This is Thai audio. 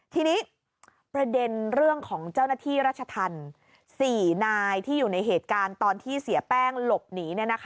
ทีนี้ประเด็นเรื่องของเจ้าหน้าที่รัชธรรม๔นายที่อยู่ในเหตุการณ์ตอนที่เสียแป้งหลบหนี